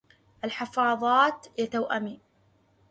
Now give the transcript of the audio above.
الحفاظات لتوأمي.